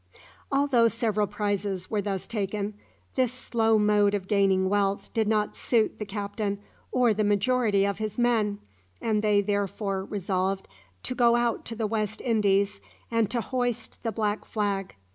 Although several prizes were thus taken, this slow mode of gaining wealth did not suit the captain or the majority of his men, and they therefore resolved to go out to the West Indies and to hoist the black flag.